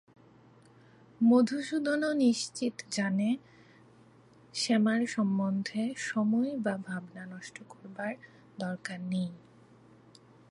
মধুসূদনও নিশ্চিত জানে শ্যামার সম্বন্ধে সময় বা ভাবনা নষ্ট করবার দরকার নেই।